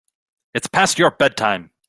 It's past your bedtime.